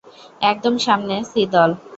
একদম সামনে সি দল।